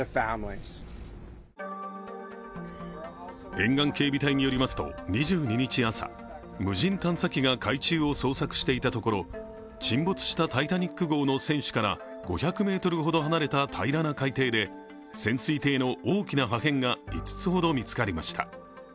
沿岸警備隊によりますと、２２日朝、無人探査機が海中を捜索していたところ沈没した「タイタニック」号の船首から５００ｍほど離れた平らな海底で、潜水艇の大きな破片が５つほど見つかりました。